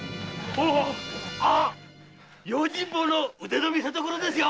用心棒の腕の見せどころですよ！